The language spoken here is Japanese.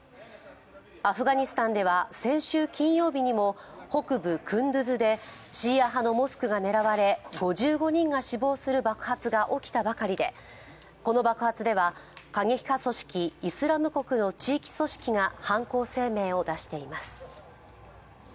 アフガニスタンでは先週金曜日にも北部クンドゥズでシーア派のモスクが狙われ、５５人が死亡する爆発が起きたばかりでこの爆発では過激派組織イスラム国の地域組織が犯行声明を出しています。